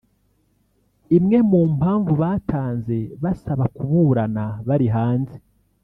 Imwe mu mpamvu batanze basaba kuburana bari hanze